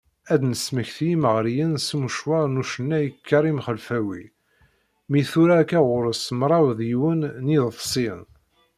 Ad d-nesmekti imeɣriyen s umecwar n ucennay Karim Xelfawi, mi tura akka ɣur-s mraw d yiwen n yiḍebsiyen.